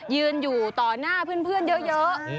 ยืนอยู่ต่อหน้าเพื่อนเยอะ